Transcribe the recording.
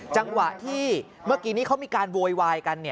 จังหวะที่เมื่อกี้นี้เขามีการโวยวายกัน